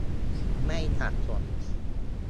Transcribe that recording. ไม่ขัดสน